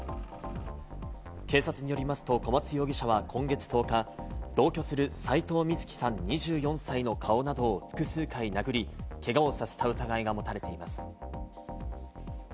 警察によりますと、小松容疑者は今月１０日、同居する斎藤瑞希さん、２４歳の顔などを複数回殴り、けがをさせた疑いが持たれています。